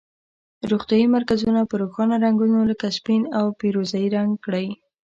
روغتیایي مرکزونه په روښانه رنګونو لکه سپین او پیروزه یي رنګ کړئ.